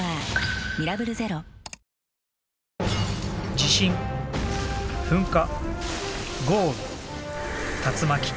地震噴火豪雨竜巻。